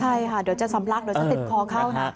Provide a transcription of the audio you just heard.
ใช่ค่ะเดี๋ยวจะสำลักเดี๋ยวจะติดคอเข้านะ